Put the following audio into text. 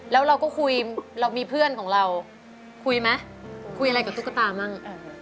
แล้วเราก็คุยเรามีเพื่อนของเราคุยไหมคุยอะไรกับตุ๊กตามั่ง